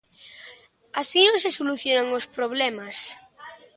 ¡Así non se solucionan os problemas!